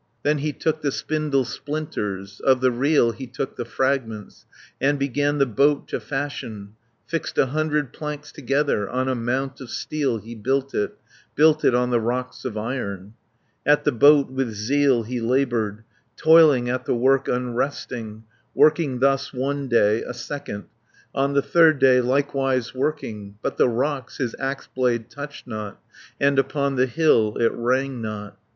Then he took the spindle splinters, Of the reel he took the fragments, 140 And began the boat to fashion, Fixed a hundred planks together, On a mount of steel he built it, Built it on the rocks of iron. At the boat with zeal he laboured, Toiling at the work unresting, Working thus one day, a second, On the third day likewise working, But the rocks his axe blade touched not, And upon the hill it rang not.